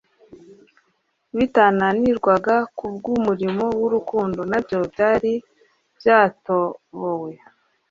bitananirwaga kubw'umurimo w'urukundo, nabyo byari byatobowe;